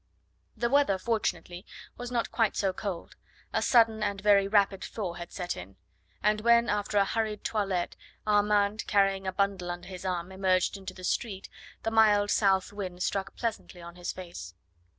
The weather, fortunately, was not quite so cold a sudden and very rapid thaw had set in; and when after a hurried toilet Armand, carrying a bundle under his arm, emerged into the street, the mild south wind struck pleasantly on his face.